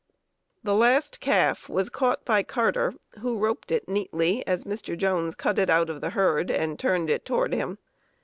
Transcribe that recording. ] "The last calf was caught by Carter, who roped it neatly as Mr. Jones cut it out of the herd and turned it toward him.